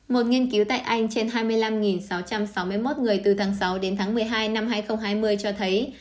một nghiên cứu tại anh trên hai mươi năm sáu trăm sáu mươi một người từ tháng sáu đến tháng một mươi hai năm hai nghìn hai mươi cho thấy